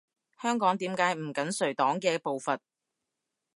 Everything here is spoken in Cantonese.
香港點解唔緊隨黨嘅步伐？